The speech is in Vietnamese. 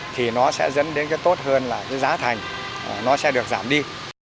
thì nó sẽ dẫn đến cái tốt hơn là cái giá thành nó sẽ được giảm đi